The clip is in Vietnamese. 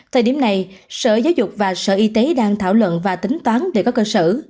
thời điểm này sở giáo dục và sở y tế đang thảo luận và tính toán để có cơ sở